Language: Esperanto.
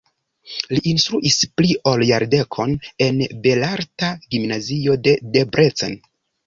Li instruis pli ol jardekon en belarta gimnazio de Debrecen.